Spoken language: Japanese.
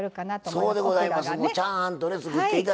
そうでございます。